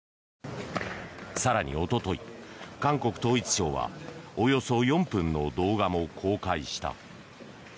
更におととい、韓国統一省はおよそ４分の動画も公開した。